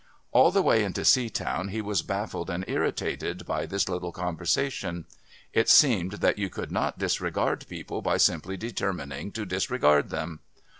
All the way into Seatown he was baffled and irritated by this little conversation. It seemed that you could not disregard people by simply determining to disregard them.